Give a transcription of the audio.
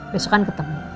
besok kan ketemu